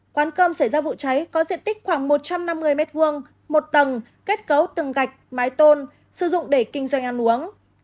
quán cơm xảy ra vụ cháy có diện tích khoảng một trăm năm mươi m hai một tầng kết cấu từng gạch mái tôn sử dụng để kinh doanh ăn uống